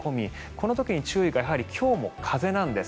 この時に注意がやはり今日も風なんです。